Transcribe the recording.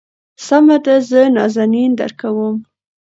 سمه ده زه نازنين درکوم.